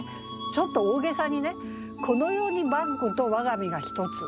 ちょっと大げさにね「この世にバッグと我が身が一つ」。